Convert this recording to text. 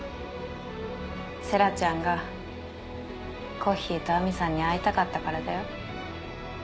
星来ちゃんがコッヒーと亜美さんに会いたかったからだよ。